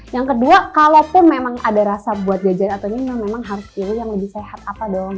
yang kedua kalaupun memang ada rasa buat jajan atau ini memang harus pilih yang lebih sehat apa dong